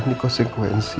tetap sayang gak akan lah